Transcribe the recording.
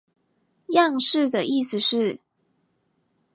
樣式的意思是？